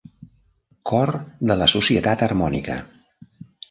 Cor de la Societat Harmònica.